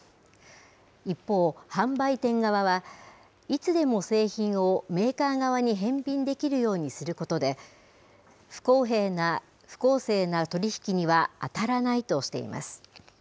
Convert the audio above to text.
一方、販売店側は、いつでも製品をメーカー側に返品できるようにすることで、不公正な取り引きには当たらないとしています。